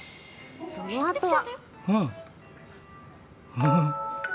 そのあとは。